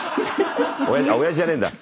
親父親父じゃねえんだ。